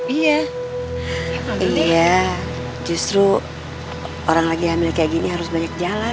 iya ini ya justru orang lagi hamil kayak gini harus banyak jalan